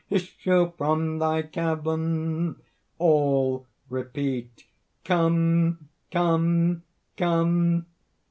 come! issue from thy cavern!" ALL (repeat): "Come! come!